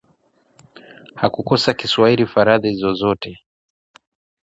Hakukosa kuswali faradhi zozote